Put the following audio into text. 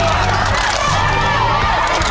เยี่ยม